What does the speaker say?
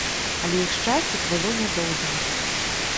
Але іх шчасце было нядоўгім.